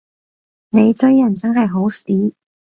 你追人真係好屎